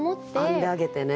編んであげてね。